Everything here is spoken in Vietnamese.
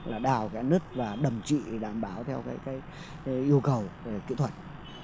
là đào cái lứt và đầm trị đảm bảo theo cái yêu cầu kỹ thuật